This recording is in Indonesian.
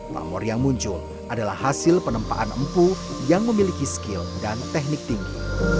pamor yang muncul adalah hasil penempaan empu yang memiliki skill dan teknik tinggi